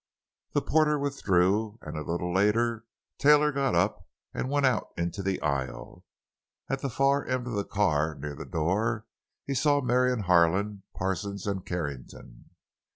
The porter withdrew, and a little later Taylor got up and went out into the aisle. At the far end of the car, near the door, he saw Marion Harlan, Parsons, and Carrington.